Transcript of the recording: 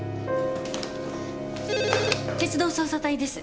鉄道捜査隊です。